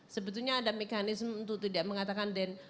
sebetulnya ada mekanisme untuk tidak mengatakan den